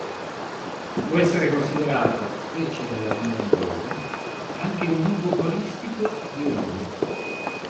Può essere considerato, specie nella lingua inglese, anche un ipocoristico di Olivia.